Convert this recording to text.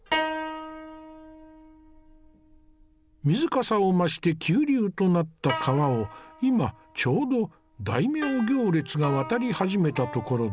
水かさを増して急流となった川を今ちょうど大名行列が渡り始めたところだ。